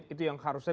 itu yang harusnya